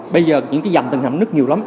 bây giờ những dòng tầng hầm nứt nhiều lắm